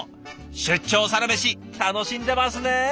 出張サラメシ楽しんでますね！